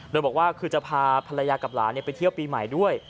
โดยบอกว่าคือจะพาภรรยากับหลานไปเที่ยวปีใหม่ด้วย